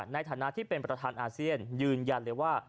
ในฐานะที่เป็นประธานอาเซียนยืนยันเลยว่า